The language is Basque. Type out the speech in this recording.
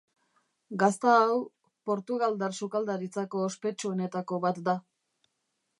Gazta hau, portugaldar sukaldaritzako ospetsuenetako bat da.